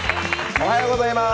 おはようございます。